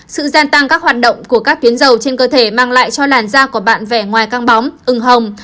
sự gia tăng các hoạt động của các tuyến dầu trên cơ thể mang lại cho làn da của bạn vẻ ngoài căng bóng ừng hồng